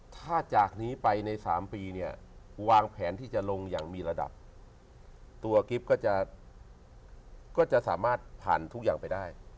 ถ้าจากนี้ไปใน๓ปีเนี่ยวางแผนที่จะลงอย่างมีระดับตัวกิฟต์ก็จะสามารถผ่านทุกอย่างไปได้